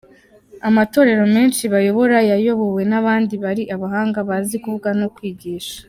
Amatorero menshi bayobora yayobowe n’abandi bari abahanga bazi kuvuga no kwigisha.